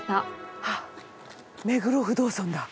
あっ目黒不動尊だ。